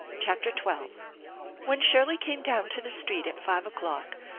CHAPTER XII WHEK SMrley came down to the street at five o'clock.